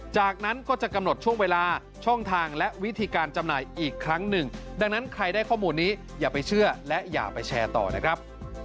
จากนั้นก็จะกำหนดช่วงเวลาช่องทางและวิธีการจำหน่ายอีกครั้งหนึ่งดังนั้นใครได้ข้อมูลนี้อย่าไปเชื่อและอย่าไปแชร์ต่อนะครับ